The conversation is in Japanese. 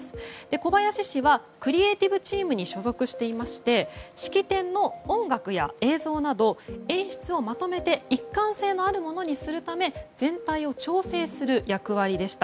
小林氏はクリエーティブチームに所属していまして式典の音楽や映像など演出をまとめて一貫性のあるものにするため全体を調整する役割でした。